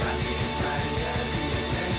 ราวที่ใกล้อย่าเรียกเล็กน้อย